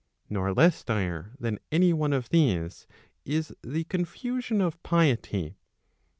Nor less dire than any one of these is the confusion of piety.